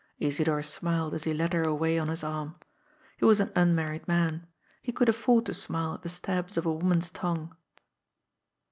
'* Isidor smiled as he led her away on his arm. He was an unmarried man. He could afford to smile at the stabs of a woman's tongue.